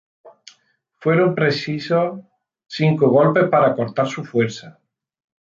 Fueron precisos cinco golpes para cortar su cabeza.